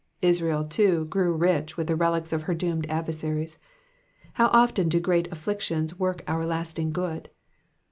Israel, too, grew rich with the relics of her drowned adversaries. How often do great afflictions work our lasting good.